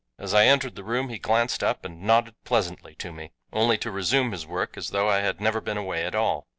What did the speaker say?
As I entered the room he glanced up and nodded pleasantly to me, only to resume his work as though I had never been away at all.